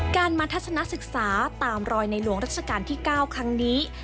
การมาทัศนศึกษาตามรอยในหลวงรัชกาลที่๙ครั้งนี้